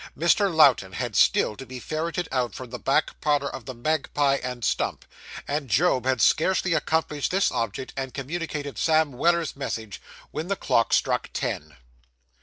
Mr. Lowten had still to be ferreted out from the back parlour of the Magpie and Stump; and Job had scarcely accomplished this object, and communicated Sam Weller's message, when the clock struck ten.